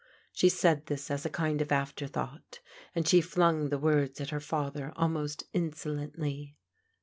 She said this as a kind of afterthought, and she flung the words at her father al most insolently.